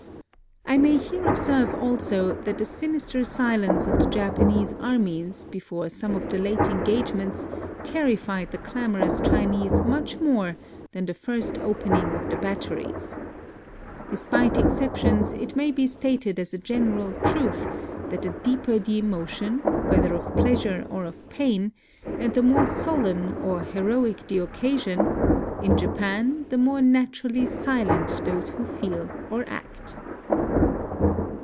I may here observe, also, that the sinister silence of the Japanese armies before some of the late engagements terrified the clamorous Chinese much more than the first opening of the batteries. De spite exceptions, it may be stated as a general truth that the deeper the emotion, whether of pleasure or of pain, and the more solemn or heroic the occasion, in Japan, the more natu rally silent those who feel or act.